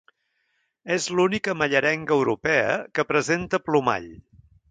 És l'única mallerenga europea que presenta plomall.